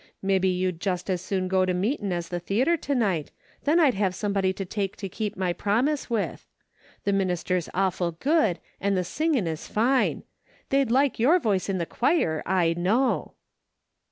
Mebbe you'd just as soon go to meetin' as the theatre to night, then I'd have somebody to take to keep my promise with. The minister's awful good, and the singin' is fine. They'd like your voice in the choir, I know."